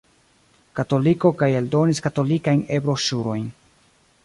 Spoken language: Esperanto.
Katoliko kaj eldonis katolikajn E-broŝurojn.